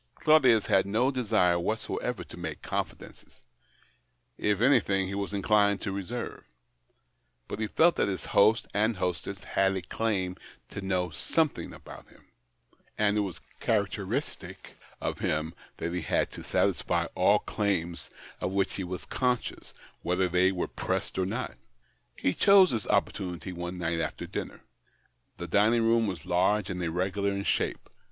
Claudius had no desire whatever to make confidences — if anything he was inclined to reserve ; but he felt that his host and hostess had a claim to know somethins; about him, THE OCTAVE OP CLAUDIUS. 67 and it was characteristic of him that he had to satisfy all claims of which he was conscious, whether they were pressed or not. He chose his opportunity one night after dinner. The dining room was large and irregular in shape.